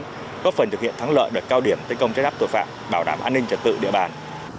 góp phần thực hiện thắng lợi đợt cao điểm tấn công chất áp tội phạm bảo đảm an ninh trật tự địa bàn